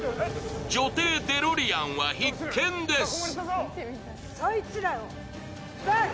女帝デロリアンは必見です。